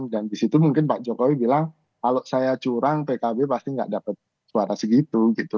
disitu mungkin pak jokowi bilang kalau saya curang pkb pasti nggak dapat suara segitu gitu